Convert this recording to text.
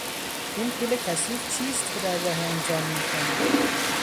این پول کثیف چیست که در راه آن جان میکنی؟